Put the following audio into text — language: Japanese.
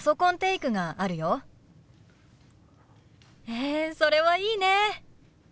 へえそれはいいね。